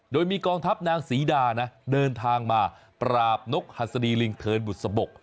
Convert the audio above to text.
โดยมีกองทัพนางศรีดานะเดินทางมาปราบนกหัสดีลิงเทินบุษบก